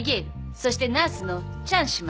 そしてナースのチャン姉妹。